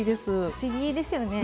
不思議ですよね。